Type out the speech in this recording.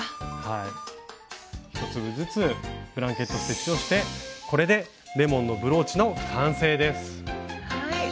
１粒ずつブランケット・ステッチをしてこれでレモンのブローチの完成です。